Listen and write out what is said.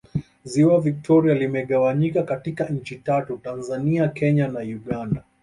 ziwa victoria limegawanyika katika nchi tatu tanzania kenya na uganda